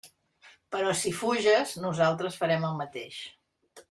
Però si fuges, nosaltres farem el mateix.